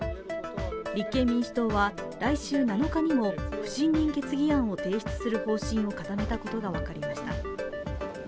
立憲民主党は来週７日にも不信任決議案を提出する方針を固めたことが分かりました。